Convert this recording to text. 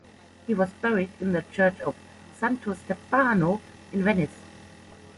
He was buried in the church of Santo Stefano in Venice.